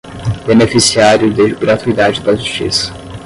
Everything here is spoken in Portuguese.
beneficiário de gratuidade da justiça